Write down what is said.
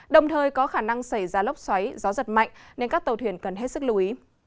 đồng thời có khả năng xảy ra lốc xoáy gió giật mạnh nên các tàu thuyền cần hết sức lưu ý